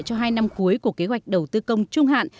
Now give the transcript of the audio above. cho hai năm cuối của kế hoạch đầu tư công trung hạn